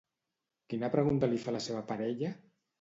Quina pregunta li fa la seva parella?